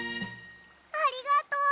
ありがとう。